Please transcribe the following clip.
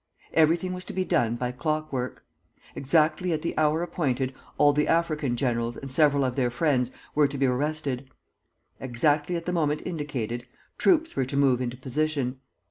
Everything was to be done by clock work. Exactly at the hour appointed, all the African generals and several of their friends were to be arrested. Exactly at the moment indicated, troops were to move into position.